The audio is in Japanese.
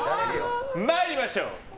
参りましょう。